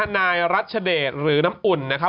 นายรัชเดชหรือน้ำอุ่น